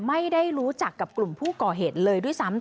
ไม่ได้รู้จักกับกลุ่มผู้ก่อเหตุเลยด้วยซ้ำ